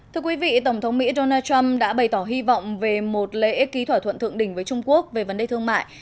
thưa quý vị tổng thống mỹ donald trump đã bày tỏ hy vọng về một lễ ký thỏa thuận thượng đỉnh với trung quốc về vấn đề thương mại